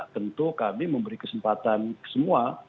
tentu kami memberi kesempatan semua